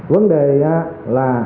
vấn đề là